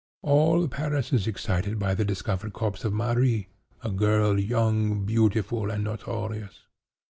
All Paris is excited by the discovered corpse of Marie, a girl young, beautiful and notorious.